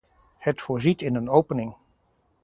Het voorziet in een opening.